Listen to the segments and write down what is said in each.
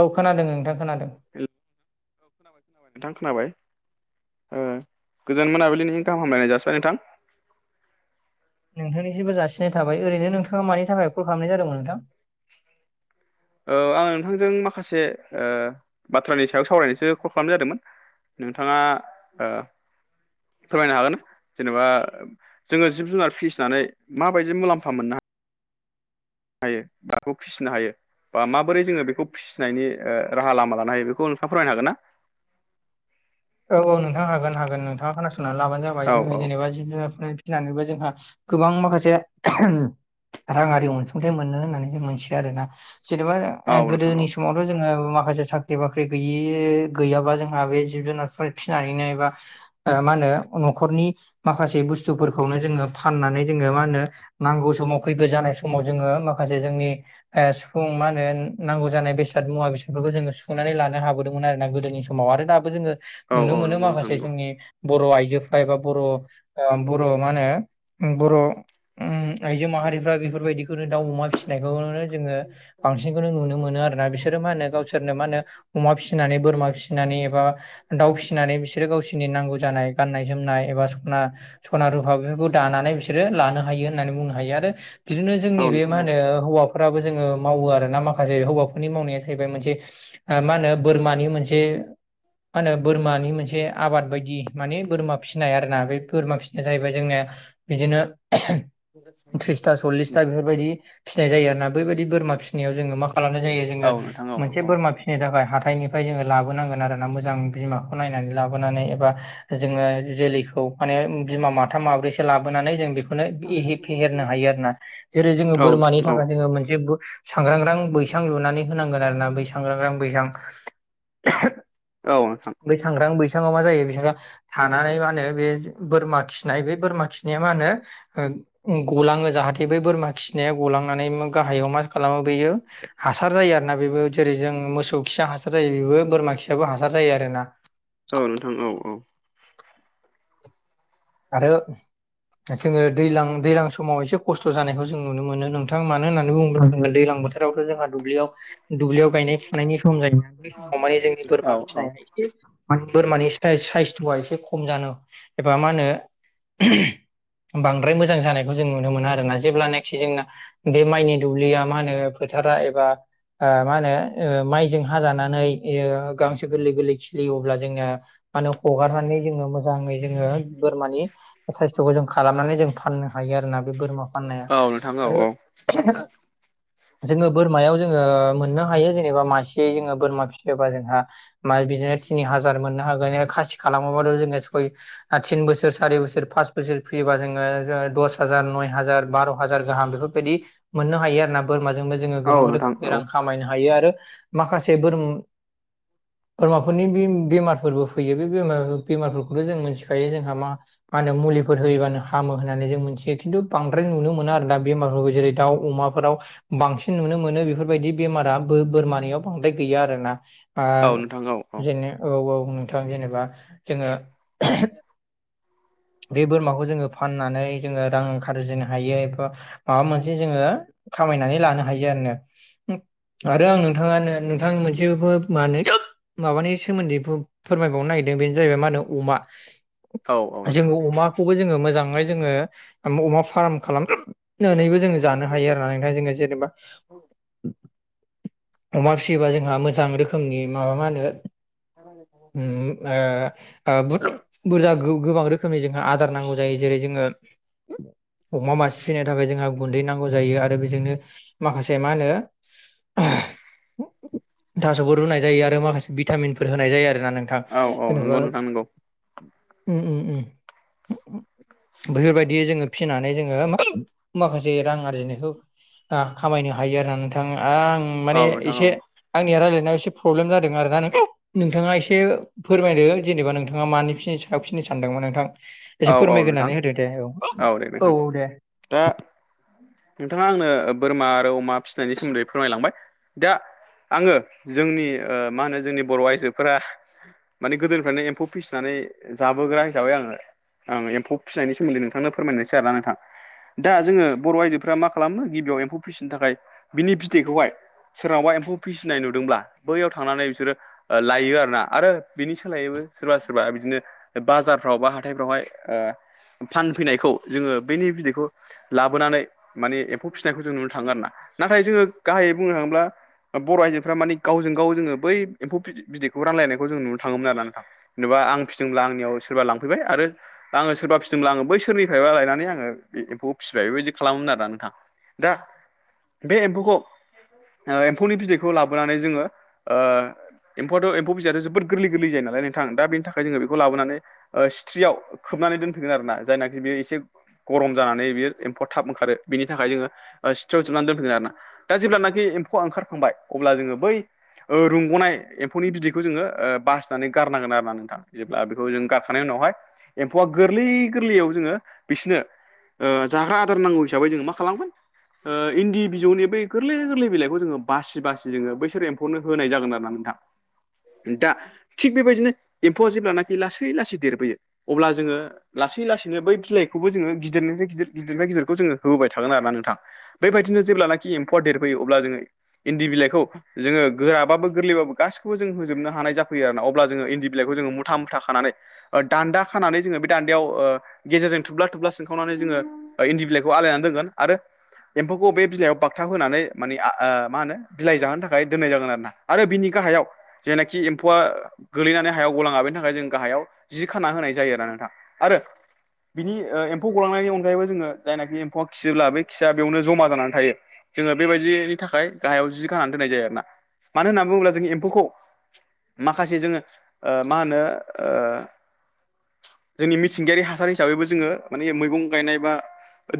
औ खोनादों नोंथां खोनादों। हेल! [unintelligible] औ खोनाबाय खोनाबाय नोंथां खोनाबाय ओ गोजोन मोनाबिलिनि गाहाम हामलायनाय जसिबाय नोंथां। नोंथांनिसिमबो जासिनाय थाबाय ओरैनो नोंथाङा मानि थाखाय कल खालामनाय जादोंमोन नोंथां? औ आं नोंथांजों माखासे ओ बाथ्रानि सायाव सावरायनोसो कल खालामनाय जादोंमोन। नोंथाङा ओ फोरमायनो हागोन जेनेबा जोङो जिब जुनार फिसिनानै माबायदि मुलाम्फा मोननो हायो हायो माखौ फिसिनो हायो? बा माबोरै जोङो बेखौ फिसिनायनि ओ राहा लामा लानो हायो बेखौ नोंथाङा फोरमायनो हागोन ना? औ औ नोंथां हागोन हागोन श। नोंथाङा खोनासंनानै लाबानो जाबाय औ औ जोङो जेनेबा जिब जुनारफोरनि फिनानैबो जोंहा गोबां माखासे राङारि अनसुंथाइ मोनो होननानै जों मिथियो आरोना जेनेबा औ नोंथां औ गोदोनि समावथ' जोङो माखासे साख्रि बाख्रि गैयि गैयाबा जोंहा बे जिब जुनार फोर फिनानैनो एबा ओ मा होनो न'खरनि माखासे बुस्थुफोरखौनो जोङो फाननानै जोङो मा होनो नांगौ समाव खैदो जानाय समाव जोङो माखासे जोंनि ओ सुफुं मा होनो नांगौ जानाय बेसाद मुवा बेसादफोरखौ जोङो सुुंफुंनानै लानो हाबोदोंमोन आरोना गोदोनि समाव आरो दाबो जोङो औ नुनो औ मोनो नंगौ नोंथां माखासे नंगौ जोंनि बर' आइजोफ्रा एबा बर' ओ बर' मा होनो बर' उम आइजो माहारिफ्रा बेफोरबायदिखौनो दाउ अमा फिसिनायखौनो जोङो बांसिनखौनो नुनो मोनो आरोना बिसोरो मा होनो गावसोरनो मा होनो अमा फिसिनानै बोरमा फिसिनानै एबा दाउ फिसिनानै बिसोर गावसोरनि नांगौ जानाय गाननाय जोमनाय एबा सना सना रुफा बेफोरखौ दानानै बिसोर बिसोरो लानो हायो होननानै बुंनो हायो आरो बिदिनो औ जोंनि बे नोंथां मा औ होनो ओ हौवाफोराबो जोङो मावो आरोना माखासे हौवाफोरनि मावनाया जाहैबाय मोनसे मा होनो बोरमानि मोनसे मा होनो बोरमानि मोनसे आबाद बायदि माने बोरमा फिसिनाय आरोना बे बोरमा फिसिनाया जाहैबाय जोंनिया बिदिनो थ्रिसथा सल्लिसथा बेफोरबायदि फिथाय जायो आरोना बैबायदि बोरमा फिसिनायाव जोङो मा खालामनाय जायो औ जोङो नोंथां औ मोनसे बोरमा औ फिनो थाखाय हाथाइनिफ्राय जोङो लाबोनांगोन आरोना मो मोजां बिमाखौ नायनानै लाबोनानै एबा जोङो जोलैखौ माने बिमा माथाम माब्रैसो लाबोनानै जों बेखौ माने एहे फेहेरनो हायो आरोना जेरै जोङो औ नोंथां औ बोरमानि थाखाय जोङो मोनसे बो सांग्रांग्रां बैसां लुनानै होनांगोन आरोना बै सांग्रांग्रां बैसां औ नोंथां बै सांग्रां बैसाङाव मा जायो बेसोरा थानानै मा होनो बे बोरमा खिनाय बे बोरमा खिनाया मा होनो ओ ओ गलाङो जाहाथे बै बोरमा खिनाया गलांनानै गाहायाव मा खालामो बेयो हासार जायो आरोना बेबो जेरै जों मोसौ खिया हासार जायो बेबो बोरमा खियाबो हासार जायो आरोना औ नोंथां औ औ आरो जोङो दैलां दैलां समाव एसे खस्थ' जानायखौ जों नुनो मोनो नोंथां मानो होन्नानै बुङोब्ला जोङो दैलां बोथोर बोथोरावथ' जोंहा दुब्लियाव दुब्लियाव गायनाय फुनायनि सम जायोना बै समाव माने जोंनि औ बोरमा औ फिसिनाय बोरमानि सायस साइसथ'आ एसे खम जानो एबा मा होनो बांद्राय मोजां जानायखौ जों नुनो मोना आरोना जेब्लानाखि जोंना बे माइनि दुब्लिया मा होनो फोथारा एबा ओ मा होनो ओ माइजों हाजानानै ओ गांसो गोरलै गोरलै खिलियो अब्ला जोंनिया मा होनो हगारनानै जोङो मोजाङै जोङो बोरमानि सायस्थ'खौ जों खालामनानै जों फाननो हायो आरोना बे बोरमा फाननाय औ नोंथां औ औ [inaudible] जोङो बोरमायाव जोङो मोननो हायो जेनेबा मासे जोङो बोरमा फिसियोबा जोंहा मा बिदिनो थिनि हाजार मोननो हागोन खासि खालामोबाथ' जोङो सय थिन बोसोर सारि बोसोर फास बोसोर फैयोबा जोङो दस हाजार नय हाजार बार' हाजार गाहाम बेफोरबायदि मोननो हायो आरोना बोरमाजोंबो जोङो औ गोबां नोंथां रोखोमनि रां औ खामायनो हायो आरो माखासे बोरमा बोरमाफोरनि बे बेमारफोरबो फैयो बे बेमारफोरखौथ' जों मोनथिखायो जोंहा मा मा होनो मुलिफोर होयोबानो हामो होननानै जों मोनथियो खिन्थु बांद्राय नुनो मोनो आरो दा बेमारफोरखौ जेरै दाउ अमाफोराव बांसिन नुनो मोनो बेफोरबायदि बेमारा बो-बोरमानियाव बांद्राय गैया आरोना अ औ नोंथां औ जेने औ औ नोंथां जेनेबा जोङो बे बोरमाखौ जोङो फाननानै जोङो रां आरजिनो हायो एबा माबा मोनसे जोङो खामायनानै लानो हायो आरो आरो आं नोंथाङानो नोंथांनि मोनसेबो मा होनो माबानि सोमोन्दै बु फोरमायबावनो नागिरदों बेनो जाहैबाय मा होनो अमा औ औ नोंथां जोङो अमाखौबो जोङो मोजाङै जोङो अमा फार्म खालाम नानैबो जोङो जानो हायो आरो ना नोंथां जोङो जेनेबा अमा फिसियोबा जोंहा मोजां रोखोमनि माबा मा होनो उम ओ ओ बुर-बुरजा गो-गोबां रो खोमै जोंहा आदार नांगौ जायो जेरै जोङो अमा मासे फिसिनो थाखाय जोंहा गुन्दै नांगौ जायो आरो बेजोंनो माखासे मा होनो थास'बो रुनाय जायो आरो माखासे भिटामिनफोर होनाय जायो आरोना नों थां औ औ जेनेबा नंगौ नोंथां नंगौ उम उम उम बेफोरबायदि जोङो फिसिनानै जोङो मा-माखासे रां आरजिनायखौ आ खामायनो हायो आरोना नोंथां आं औ माने नोंथां औ आंनिया रायजलायनायाव एसे प्रब्लेम जादों आरो ना नोंथाङा एसे फोरमायदो जेनेबा नोंथाङा मानि फि-फिनो सानदोंमोन नोंथां औ एसे औ नोंथां फोरमायग्रानै होदो दे औ औ दे नोंथां औ दे दा नोंथाङा आंनो बोरमा आरो अमा फिसिनायनि सोमोन्दै फोरमायलांबाय दा आङो जोंनि ओ मा होनो जोंनि बर' आइजोफोरा माने गोदोनिफ्रायनो एम्फौ फिसिनानै जाबोग्रा हिसाबै आङो एमफौ फिनायनि सोमोनदै नोंथांनो फोरमायनोसै आरो ना नोंथां दा जोङो बर' आइजोफ्रा मा खालामो गिबियाव एम्फौ फिसिनो थाखाय बिनि बिदैखौहाय सोरनावबा एम्फौ फिसिनाय नुदोंब्ला बैयाव थांनानै बिसोरो ओ लायो आरो ना आरो बिनि सोलायैबो सोरबा सोरबा बिदिनो बाजारफ्राव बा हाथायफ्रावहाय ओ फानफैनायखौ जोङो बैनि बिदैखौ लाबोनानै माने एम्फौ फिसिनायखौ जों नुनो थाङो आरो ना नाथाय जोङो गाहायै बुंनो थाङोब्ला बर' आइजोफ्रा मानि गावजों गाव जोङो बै एम्फौ बिदैखौ रानलायनायखौ जों नुनो थाङोमोन आरो ना नोंथां जेनेबा आं फिदोंब्ला आंनियाव सोरबा लांफैबाय आरो आङो सोरबा फि दोंब्ला आङो बैसोरनिफ्रायबा लायनानै आङो बे एम्फौखौ फिसिबाय बेबायदि खालामोमोन आरोना नोंथां दा बे एम्फौखौ ओ एम्फौनि बिदैखौ लाबोनानै जोङो ओ एमफौ आथ' एमफौ बिदैआथ जोबोर गोरलै गोरलै जायो नालाय नोंथां दा बेनि थाखाय जोङो बेखौ लाबोनानै ओ सिथ्रियाव खोबनानै दोनफैगोन आरो ना जायनाखि बेयो एसे गरम जानानै बियो एम्फौआ थाब ओंखारो बिनि थाखाय जोङो ओ सिथ्रियाव जुनानै दोनफैगोन आरो ना दा जेब्लानाखि एम्फौआ ओंखारखांबाय अब्ला जोङो बै रुंग'नाय एम्फौनि बिदैखौ जोङो ओ बासिनानै गारनांगोन आरो ना नोंथां जेब्ला बेखौ जों गारखांनायनि उनावहाय एम्फौआ गोरलै गोरलैयाव जोङो बिसिनो ओ जाग्रा आदार नांगौ हिसाबै जोङो मा खालामगोन ओ इन्दि बिजौनि बै गोरलै गोरलै बिलाइ खौ जो बसि बासि जो बैसोर एम्फनो होनाय जागोन आरो ना नोंथां दा थिग बेबायदिनो एम्फौआ जेब्लानाखि लासै लासै देरबोयो अब्ला जोङो लासै लासै बै बिलाइखौबो जोङो गिदिरनिफ्राय गिदिर गिदनिफ्राय गिदिरखौ जोङो होबाय थागोन आरो ना नोंथां बेबायदिनो जब्लानाखि इम्पर्ट होयो अब्ला जोङो इन्दि बिलाइखौ जोङो गोराबाबो गोरलैबाबो गासिखौबो जों होजोबनो हानाय जाफैयो आरो ना अ ब्ला इन्दि बिलायखौ मुटा मुटा खानानै दानदा खानानै जोंङो दान्देयाव गेजेरजों थुब्ला थुब्ला सोंखावनानै जोङो इन्दि बिलाइखौ आलायनानै दोनगोन आरो एम्फौखौ बे बिलाइयाव बागथाब होनानै मानि आ ओ मा होनो। बिलाइ जाहोनो थाखाय दोननाय जागोन आरोना आरो बिनि गाहायाव जेनाखि एम्फौआ गोगलैनानै हायाव गलांङा बेनि थाखाय जों गाहायाव जि खाना होनाय जायो आरोना नोंथां। आरो बिनि एम्फौ गलांनायनि अनगायैबो जोङो जायनाखि एम्फौआ खियोब्ला बे खिया बेयावनो जमा जानानै थायो जोङो बेबायदिनि थाखाय गाहायाव जि गानानै दोननाय जायो आरोना मानो होनना बुङोब्ला जों एम्फौखौ माखासे जोङो ओ मा होनो ओ जोंनि मिथिंगायारि हासार हिसाबैबो जोङो माने मैगं गायनाय बा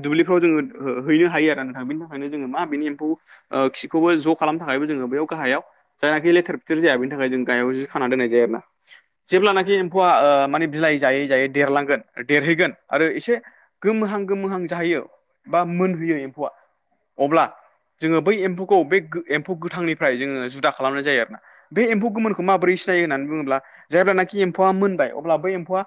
दुब्लिफ्राव जोङोओ हैनो हायो आरो नोंथां बेनि थाखायनो जोङो मा बेनि एम्फौ खिखौबो ज' खालामनो थाखायबो जोङो बेयाव गाहायाव जायाखि लेथेरेेर जायानि थाखाय जों गाहायाव जि खाना दोननाय जायो आरो ना। जेब्लानाखि एम्फौआ ओ माने बिलाइ जायै जायै देरलांगोन देरहैगोन आरो एसे गोमोहां गोमोहां जाहैयो। बा मोनहैयो एम्फौआ अब्ला जोङो बै एम्फौखौ बे एम्फौ गोथांनिफ्राय जोङो जुदा खालामनाय जायो आरोना। बे एम्फौ गोमोनखौ माबोरै सिनायो होननानै बुङोब्ला जेब्लाखि एम्फौआ मोनबाय अब्ला बै एम्फौआ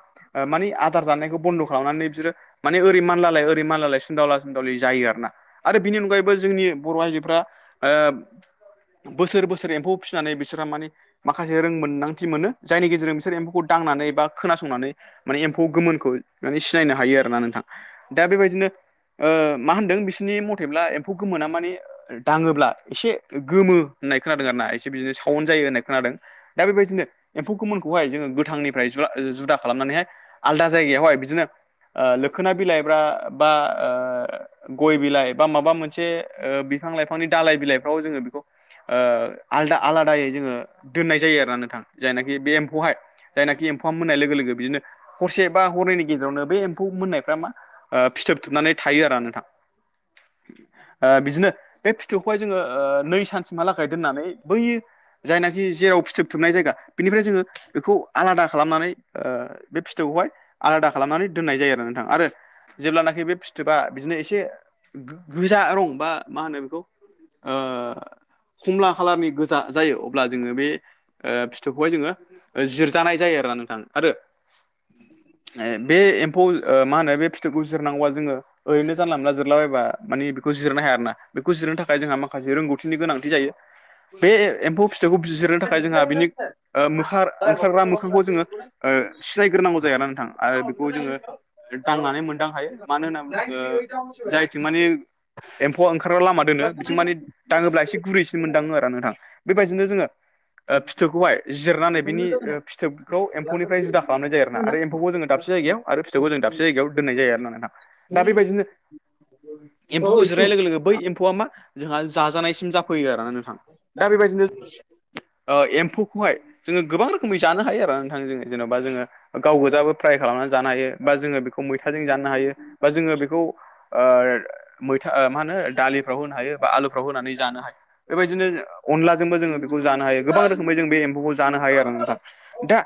मानि आदार जानायखौ बन्द' खालामनानै बिसोरो माने ओरै मानलालाय ओरै मानलालाय सिनदावला सुनदावलि जायो आरो ना। आरो बिनि अनगायैबो जोंनि बर' आइजोफ्रा बोसोर बोसोर एम्फौ फिसिनानै बिसोरहा मानि माखासे रों मोनदांथि मोनो जायनि गेजेरजों बिसोर एम्फौखौ दांनानै एबा खोनासंनानै माने एम्फौ गोमोनखौ माने सिनायनो हायो आरो ना नोंथां दा बेबायदिनो ओ मा होनदों बिसोरनि मथेब्ला एम्फौ गोमोना माने दाङोब्ला एसे गोमो होननाय खोनादों आर ना एसे बिदिनो साउन जायो होननाय खोनादों। दा बेबायदिनो एम्फौ गोमोनखौहाय जोङो गोथांनिफ्राय जुवा जुदा खालामनानैहाय आलदा जायगायावहाय बिदिनो लोखोना बिलाइब्रा बा गय बिलाइ बा माबा मोनसे ओ बिफां लाइफांनि दालइ बिलाइफ्राव जोङो बेखौ ओ आलादा आलादायै जोङो दोननाय जायो आरोना नोंथां जायनाखि बे एम्फौहाय जायनाखि एम्फौआ मोन्नाय लोगो लोगो बिदिनो हरसे बा हरनैनि गेजेरावनो बे एम्फौ मोननायफ्रा मा फिथोबथोबनानै थायो आरो नोंथां बिदिनो बे फिथौबखौहाय जोङो नै सानसिमहालागै दोननानै बै जायनाखि जेराव फिथोबथोबनाय जायगा बेनिफ्राय जोङो बेखौ आलादा खालामनानै ओ बे फिथोबखौहाय आलादा खालामनानै दोननाय जायो आरो नोंथां आरो जेब्लानाखि बे थोबा बिदिनो एसे गोजा रं बा मा होनो बेखौ ओ कमला खालारनि जायो अब्ला जोङो बे फिथोबखौहाय जोङो जिरजानाय जायो आरोना नोंथां। आरो बे एम्फौ मा होनो बे फिथोबखौ जिरनांगौबा जोङो। ओरैनो जानला मोनला जिरलाबायबा मानि बेखौ जिरायनो हाया आरोना बेखौ जिरायनो थाखाय जोंहा मा माखासे रोंगौथिनि गोनांथि जायो। बे एम्फौ फिथोबखौ बिजिरनो थाखाय जोंहा बिनि मोखार ओंखारग्रा मोखांखौ जोङो। सिनायग्रोनांगौ जायो ना नोंथां आरो बेखौ जोङो। दांनानै मोनदां हायो मानो होनना जायथिं माने। एम्फौआ ओंखारब्ला लामा दोनो बिथिं माने दाङोब्ला एसे गुरैसिन मोनदाङो आरो। बेबायदिनो जोड़ो फिथोबखौहाय जिरनानै बिनि फिथोबखौ। बेनिफ्राय जुदा खालामनाय जायो आरोना आरो एम्फौखौ जों दाबसे जायगायाव आरो फिथौखौ जों दाबसे जायगायाव दोननाय जायो आरो नोंथां। दा बेबायदिनो। एम्फौखौ जिरनाय लोगो [unintelligible] लोगो बै एम्फौआ मा जोंहा जाजानायसिम जाफैयो आरोना नोंथां दा बेबायदिनो। एम्फौखौहाय जोङो गोबां रोखोमै जानो हायो आरो नोंथां जोङो। जेन'बा जोङो गाव गोजाबो फ्राय खालामनानै जानो हायो बा जोङो बेखौ मैथाजों जानो हायो। बा जोङो बेखौ मैथा मा होनो दालिफ्राव होनो हायो। बा आलुफ्राव होनानै जानो हायो। बेबायदिनो अनलाजोंबो जोङो बेखौ जानो हायो गोबां रोखोमै जों बे एम्फौखौ जानो हायो आरो। दा।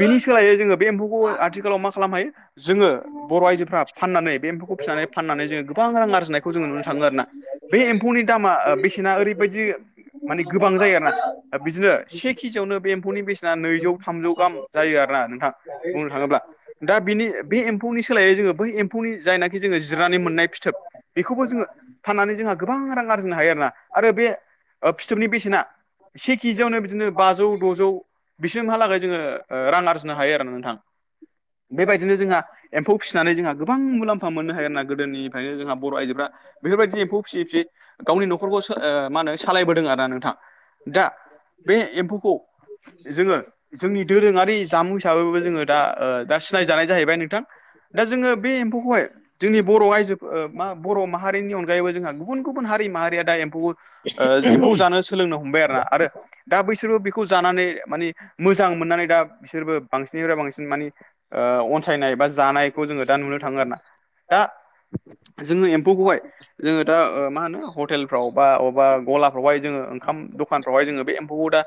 बिनि सोलायै जोङो बे एम्फौखौ आथिखालाव मा खालामनो हायो जोङो। बर' आइजोफ्रा फाननानै बे एम्फौखौ फिनानै फाननानै जोङो गोबां रां आरजिनायखौ जोङो नुनो थाङो आरोना। बे एम्फौनि दामा बेसेना ओरैबायदि। मानि गोबां जायो आरोना बिदिनो से केजियावनो बे एम्फौनि बेसेना नैजौ थामजौ गाहाम। जायो आरोना नोंथां बुंनो थाङोब्ला। दा बिनि बे एम्फौनि सोलायै जोङो बै एम्फौनि जायनाखि जोङो जिरनानै मोननाय फिथोब बेखौ। जोङो फाननानै जोंहा गोबां रां आरजिनो हायो आरोना आरो बे फिथोबनि बेसेना। से केजियावनो बिदिनो बाजौ द'जौ बिसोरहालागै जोङो। रां आरजिनो हायो आरो नोंथां बेबायदिनो जोंहा। एम्फौ फिसिनानै जोंहा गोबां मुलाम्फा मोननो हायो आरोना गोदोनिफ्रायनो जोंहा बर' आइजोफ्रा। बेफोरबायदि एम्फौ फिसिय फिसि गावनि न'खरखौ मा होनो सालायबोदों आरोदा नोंथां। बेा दा [inaudible] [unintelligible] बे एम्फौखौ जोङो जोंनि। दोरोङारि जामुं हिसाबैबो जोङो दा दा सिनायजानाय जाहैबाय नोंथां दा जोङो बे एम्फौखौहाय। जोंनि बर' आइजो मा बर' माहारिनि अनगायैबो जोंहा गुबुन गुबुन हारि माहारिया दा एम्फौ। एम्फौ जानो सोलोंनो हमबाय आरो ना आरो दा बैसोरबो बेखौ जानानै मानि। मोजां मोननानै दा बिसोरबो। बांसिननिफ्राय बांसिन मानि अनसायनाय बा जानायखौ जोङो दा नुनो थाङो आरो ना। दा जोङो एम्फौखौहाय। जोङो दा मा होनो हटेलफ्राव बा बबेबा गलाफ्रावहाय जोङो ओंखाम। दखानफ्रावहाय जोङो बे एम्फौखौ दा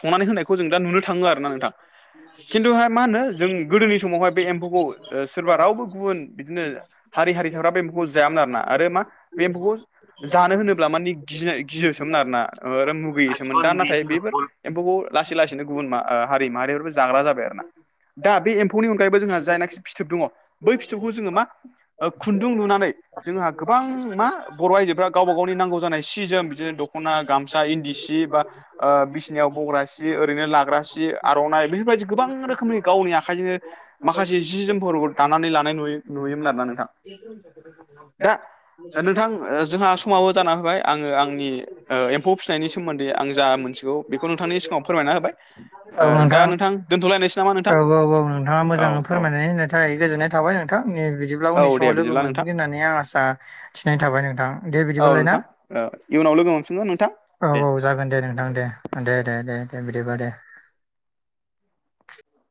संनानै होनायखौ जों दा नुनो थाङो आरोना नोंथां। खिन्थुहाय मा होनो जों गोदोनि समावहाय। बे एम्फौखौ सोरबा रावबो गुबुन बिदिनो। हारि हारिसाफ्रा बे एम्फौखौ जायामोन आरोना आरो मा बे एम्फौखौ जानो होनोब्ला मानि। गिनाय गियोसोमोन आरोना मुगैयोसोमोन दा नाथाय बेफोर एम्फौखौ लासै लासैनो गुबुन मा। हारि माहारिफोरबो जाग्रा जाबाय आरो ना। दा बे एम्फौनि अनगायैबो जोंहा जायनाखि फिथोब दङ बै फिथोबखौ जोङो मा। खुन्दुं लुनानै जोंहा गोबां मा बर' आइजोफ्रा गावबा गावनि नांगौ जानाय। सि जोम बिदिनो दखना गामसा इन्दि सि बा बिसिनायाव बग्रा सि ओरैनो लाग्रा सि। आर'नाइ बेफोरबायदि गोबां रोखोमनि गावनि आखाइजोंनो माखासे जि जोमफोर दानानै लानाय नुयो। नुयोमोन आरोना नोंथां [inaudible] दा नोंथां जोंहा समावो जाना फैबाय आङो आंनि। एम्फौ फिनायनि सोमोन्दै आं जा मोनथिगौ बेखौ नोंथांनि सिगाङाव फोरमायना होबाय। औ ओ दा नोंथां दोनथ'लायनोसै नामा नोंथां औ औ औ नोंथाङा औ मोजाङै औ फोरमायनानै होनो थाखाय गोजोननाय। थाब औ दे बिदिब्ला नोंथां औ नोंथां ओ इउनाव लोगो मोनफिनगोन नोंथां औ दे औ जागोन दे नोंथां दे दे दे दे दे बिदिबा दे